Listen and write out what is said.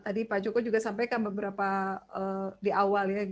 tadi pak joko juga sampaikan beberapa di awal ya